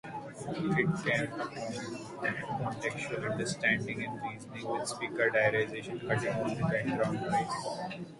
Reconstructions of the Inner Court and Crown Prince's residence have also been complex.